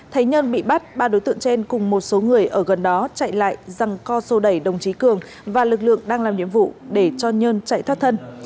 thấy nhân bị bắt ba đối tượng trên cùng một số người ở gần đó chạy lại răng co sô đẩy đồng chí cường và lực lượng đang làm nhiệm vụ để cho nhân chạy thoát thân